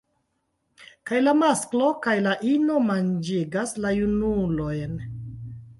Kaj la masklo kaj la ino manĝigas la junulojn.